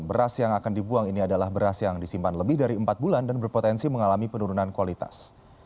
beras yang akan dibuang ini adalah beras yang disimpan lebih dari empat bulan dan berpotensi mengalami penurunan kualitas